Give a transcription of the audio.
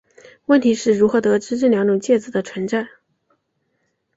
问题是如何得知这两种介子的存在。